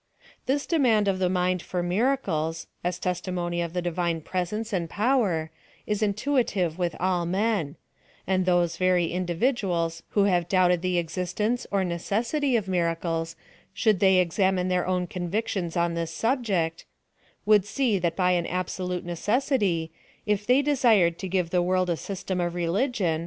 This demand of the mind for miracles, as testi mony of the divine presence and power, is intuitive with all men : and those very individuals who have doubted the existence or necessity of miracles, should they examine their own convictions on this subject, would see that by an absolute necessity, il they desired to give the wo 'd a system of religion.